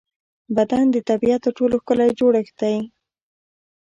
بدن د طبیعت تر ټولو ښکلی جوړڻت دی.